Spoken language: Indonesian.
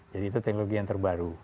jadi itu teknologi yang terbaru